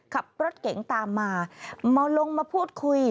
ขับรถเก๋งตามมามาลงมาพูดคุย